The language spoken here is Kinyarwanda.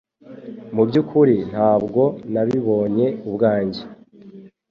Mu byukuri ntabwo nabibonye ubwanjye